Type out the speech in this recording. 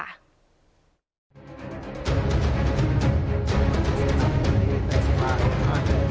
นาฑิษภาพแรงเยียมแรงเฦรียม